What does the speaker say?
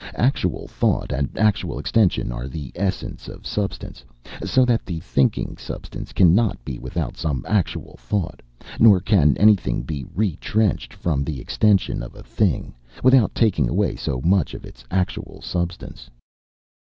Actual thought and actual extension are the essence of substance, so that the thinking substance cannot be without some actual thought, nor can anything be retrenched from the extension of a thing, without taking away so much of its actual substance.